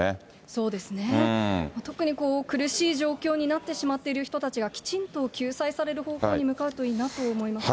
そうですね、特に苦しい状況になってしまっている人たちがきちんと救済される方向に向かうといいなと思いますね。